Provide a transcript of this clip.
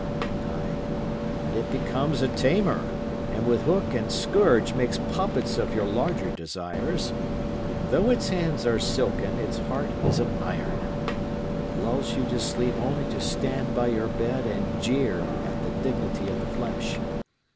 Ay, and it becomes a tamer, and with hook and scourge makes puppets of your larger desires. Though its hands are silken, its heart is of iron. It lulls you to sleep only to stand by your bed and jeer at the dignity of the flesh.